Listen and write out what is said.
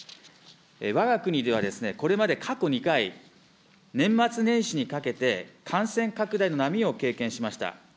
わが国では、これまで過去２回、年末年始にかけて、感染拡大の波を経験しました。